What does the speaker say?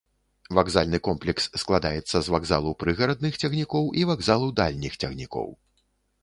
Вакзальны комплекс складаецца з вакзалу прыгарадных цягнікоў і вакзалу дальніх цягнікоў.